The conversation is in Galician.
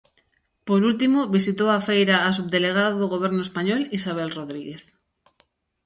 Por último, visitou a feira a Subdelegada do Goberno español, Isabel Rodríguez.